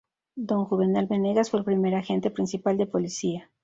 Don Juvenal Venegas, fue el primer Agente Principal de Policía.